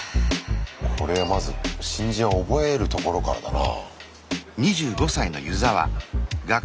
これはまず新人は覚えるところからだな。